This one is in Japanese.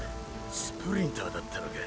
スプリンターだったのか。